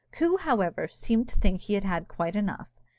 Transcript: Coo, however, seemed to think he had had quite enough.